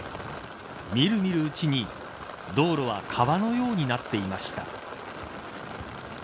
みるみるうちに道路は川のようになっていました。